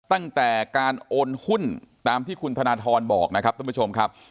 ตั้งแต่การโอนหุ้นตามที่คุณธนทรบอกนะครับท่านผู้ชมครับ